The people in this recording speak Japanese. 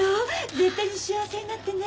絶対に幸せになってね。